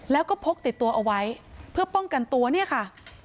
แล้วก็พกติดตัวเอาไว้เพื่อป้องกันตัวเนี่ยค่ะ